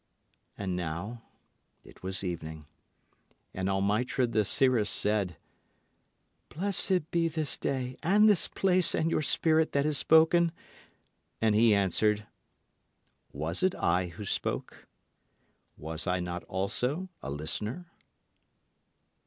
And now it was evening. And Almitra the seeress said, Blessed be this day and this place and your spirit that has spoken. And he answered, Was it I who spoke? Was I not also a listener?